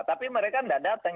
tapi mereka nggak datang